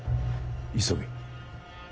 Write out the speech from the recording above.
急げ。